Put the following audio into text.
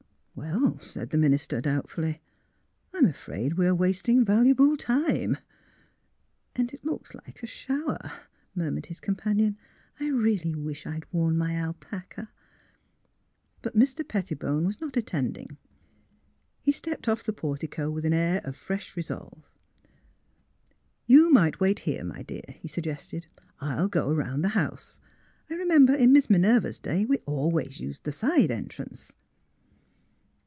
*' Well," said the minister, doubtfully, " I am afraid we are wasting valuable time." *' And it looks like a shower," murmured his companion. '' I really wish I'd worn my ala paca." But Mr. Pettibone was not attending. He stepped off the portico with an air of fresh re solve. '' You might wait here, my dear, '' he suggested ;'* I'll go 'round the house. I remember in Miss Minerva's day we always used the side entrance."